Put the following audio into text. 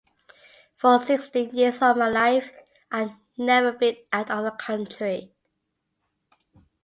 For sixteen years of my life, I've never been out of the country.